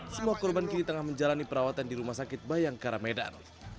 semua korban kini tengah menjalani perawatan di rumah sakit bayangkara medan